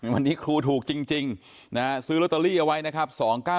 วันนี้ครูถูกจริงซื้อลอตเตอรี่เอาไว้นะครับ